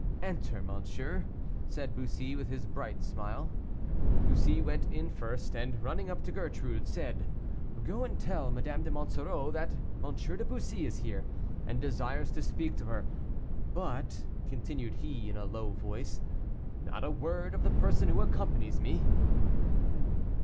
"Enter, monsieur," said Bussy, with his bright smile. Bussy went in first, and, running up to Gertrude, said, "Go and tell Madame de Monsoreau that M. de Bussy is here, and desires to speak to her. But," continued he, in a low voice, "not a word of the person who accompanies me."